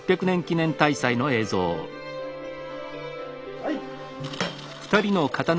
はい。